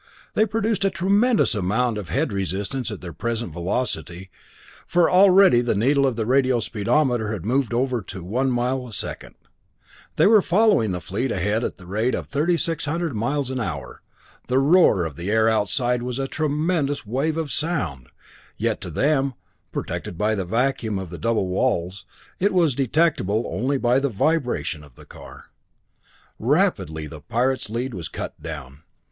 They produced a tremendous amount of head resistance at their present velocity, for already the needle of the radio speedometer had moved over to one mile a second. They were following the fleet plane ahead at the rate of 3600 miles an hour. The roar of the air outside was a tremendous wave of sound, yet to them, protected by the vacuum of the double walls, it was detectable only by the vibration of the car. Rapidly the pirate's lead was cut down.